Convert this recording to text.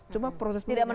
cuma proses pemindahan